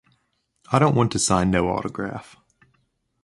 I don’t want to sign no autograph.